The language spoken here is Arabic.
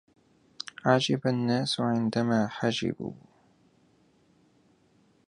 عجب الناس عندما حجبوا